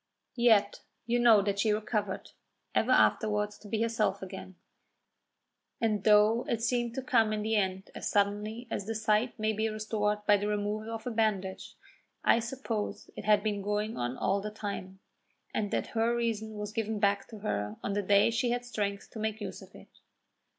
Yet you know that she recovered, ever afterwards to be herself again; and though it seemed to come in the end as suddenly as the sight may be restored by the removal of a bandage, I suppose it had been going on all the time, and that her reason was given back to her on the day she had strength to make use of it.